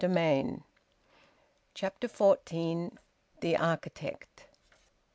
VOLUME ONE, CHAPTER FOURTEEN. THE ARCHITECT.